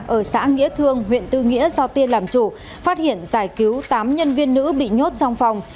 ở xã nghĩa thương huyện tư nghĩa do tiên làm chủ phát hiện giải cứu tám nhân viên nữ bị nhốt trong phòng